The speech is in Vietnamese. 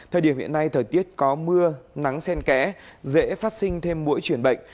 hiện nay thời tiết có mưa nắng sen kẽ dễ phát sinh thêm mũi chuyển bệnh